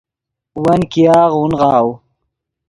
ون ګیاغ اونغاؤ